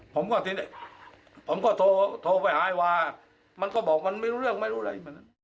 ผมก็โทรไปหาว่ามันก็บอกมันไม่รู้เรื่องไม่รู้อะไร